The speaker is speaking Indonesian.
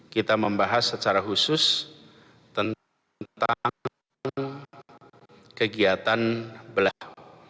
kita membahas secara khusus tentang kegiatan belah